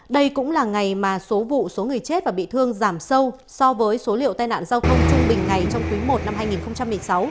đây cũng là ngày mà số vụ số người chết và bị thương giảm sâu so với số liệu tai nạn giao thông trung bình ngày trong quý i năm hai nghìn một mươi sáu